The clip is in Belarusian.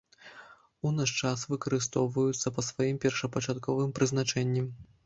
У наш час выкарыстоўваюцца па сваім першапачатковым прызначэнні.